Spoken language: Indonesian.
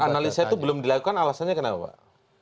analisa itu belum dilakukan alasannya kenapa pak